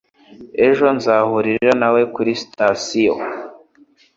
Ejo nzahurira nawe kuri sitasiyo.